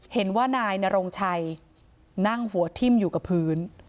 เห็นว่านายนรงชัยนั่งหัวทิ้มอยู่กับพื้น